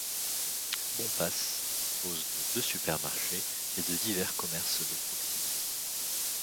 Bompas dispose de deux supermarchés et de divers commerces de proximité.